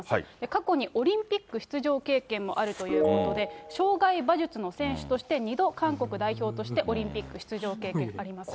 過去にオリンピック出場経験もあるということで、障害馬術の選手として２度、韓国代表としてオリンピック出場経験あります。